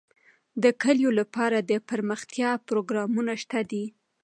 د کلیو لپاره دپرمختیا پروګرامونه شته دي.